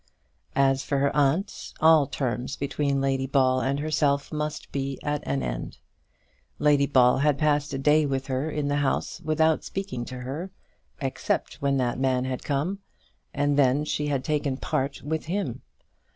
As for her aunt, all terms between Lady Ball and herself must be at an end. Lady Ball had passed a day with her in the house without speaking to her, except when that man had come, and then she had taken part with him!